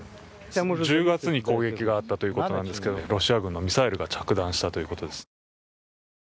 １０月に攻撃があったということなんですけど、ロシア軍のミサイルが着弾したということです。